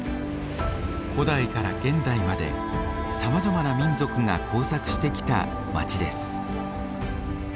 古代から現代までさまざまな民族が交錯してきた街です。